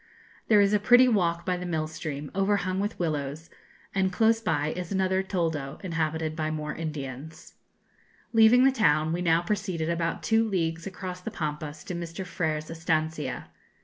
There is a pretty walk by the mill stream, overhung with willows, and close by is another toldo, inhabited by more Indians. [Illustration: Indians at Azul] Leaving the town, we now proceeded about two leagues across the Pampas to Mr. Frer's estancia.